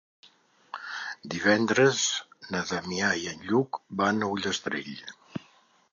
Divendres na Damià i en Lluc van a Ullastrell.